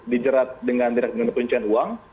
dijerat dengan penuncukan uang